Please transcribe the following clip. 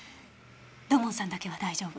土門さんだけは大丈夫。